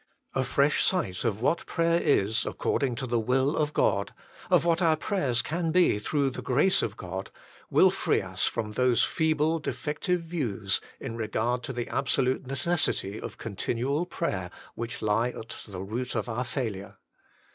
A fresh sight of what prayer is according to the will of God, of what our prayers can be, through the grace of God, will free us from those feeble defective views, in regard to the absolute necessity of continual prayer, which lie at the root of our failure.